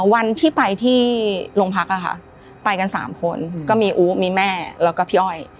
วันที่ไปที่โรงพักไปกัน๓คนก็มีอู๋มีแม่แล้วก็พี่อ้อย